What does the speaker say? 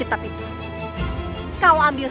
itu perjalanan awal